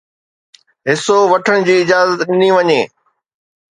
حصو وٺڻ جي اجازت ڏني وڃي